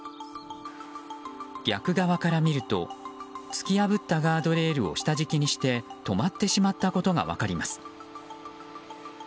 逆側から見ると突き破ったガードレールを下敷きにして止まってしまったことが分かります。